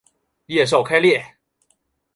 叶鞘开裂。